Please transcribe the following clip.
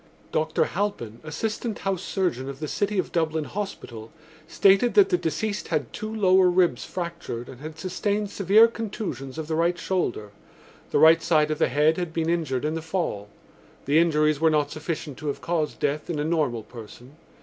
Dr Halpin, assistant house surgeon of the City of Dublin Hospital, stated that the deceased had two lower ribs fractured and had sustained severe contusions of the right shoulder. The right side of the head had been injured in the fall. The injuries were not sufficient to have caused death in a normal person.